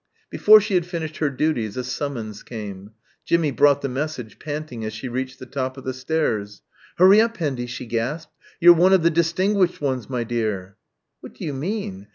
Before she had finished her duties a summons came. Jimmie brought the message, panting as she reached the top of the stairs. "Hurry up, Hendy!" she gasped. "You're one of the distinguished ones, my dear!" "What do you mean?"